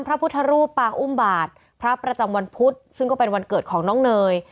พระพุทธรูปปางอุ้มบาทพระประจำวันพุธซึ่งก็เป็นวันเกิดของน้องเนย